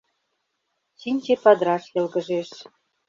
Чинче падыраш йылгыжеш.